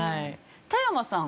田山さん。